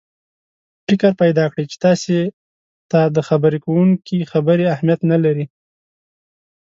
فکر پیدا کړي چې تاسې ته د خبرې کوونکي خبرې اهمیت نه لري.